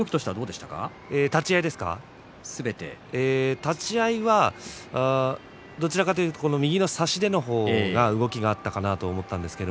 立ち合いはどちらかと言うと右の差し手の方が動きがあったかなと思います。